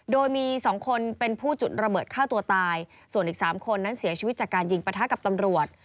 โดยมีสองคนเป็นผู้จุดระเบิดฆ่าตัวตายส่วนอีก๓คนนั้นเสียชีวิตจากการยิงประทะกับตำรวจ